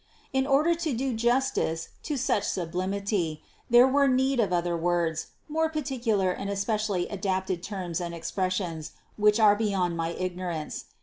In order to do justice to such sublimity, there were need of other words, more particular and especially adapted terms and expressions, which are beyond my ignorance.